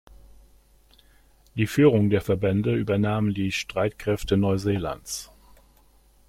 Die Führung der Verbände übernahmen die Streitkräfte Neuseelands.